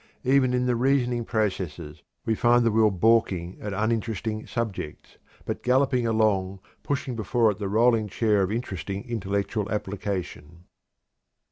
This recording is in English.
Even in the reasoning processes we find the will balking at uninteresting subjects, but galloping along, pushing before it the rolling chair of interesting intellectual application.